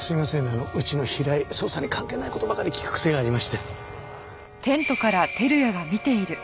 あのうちの平井捜査に関係ない事ばかり聞く癖がありまして。